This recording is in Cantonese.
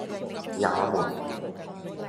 也門